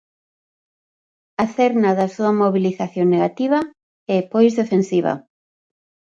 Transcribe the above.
A cerna da súa mobilización negativa é pois defensiva.